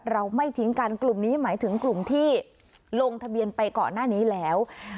เราไม่ทิ้งกันกลุ่มนี้หมายถึงกลุ่มที่ลงทะเบียนไปก่อนหน้านี้แล้ว